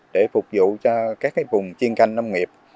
để phục vụ cho các vùng chiên canh nông nghiệp